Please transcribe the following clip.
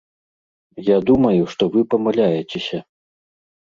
Я думаю, што вы памыляецеся.